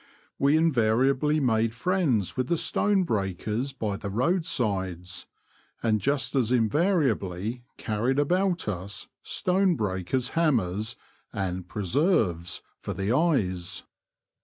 We invariably made friends with the stone breakers by the road sides, and just as in variably carried about us stone breakers' hammers, and ^' preserves " for the eyes.